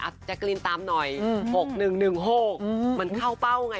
อ่ะแจ๊กรีนตามหน่อยหกหนึ่งหนึ่งหกมันเข้าเป้าไง